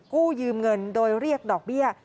กู้ยืมเงินโดยเรียกดอกเบี้ย